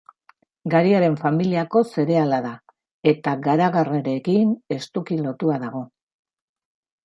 Gariaren familiako zereala da, eta garagarrarekin estuki lotua dago.